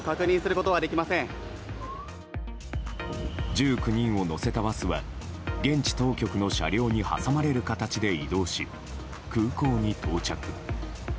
１９人を乗せたバスは現地当局の車両に挟まれる形で移動し、空港に到着。